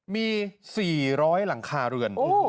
มี๔๐๐หลังคาเรือน